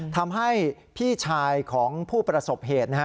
ทำให้พี่ชายของผู้ประสบเหตุ